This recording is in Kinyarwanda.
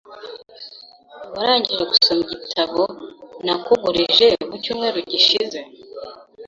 Warangije gusoma igitabo nakugurije mu cyumweru gishize?